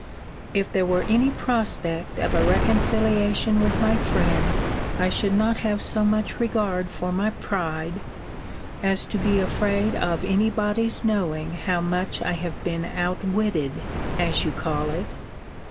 If there were any prospect of a reconciliation with my friends, I should not have so much regard for my pride, as to be afraid of any body's knowing how much I have been outwitted as you call it.